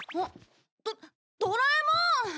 ドドラえもん！